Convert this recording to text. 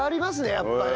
やっぱね。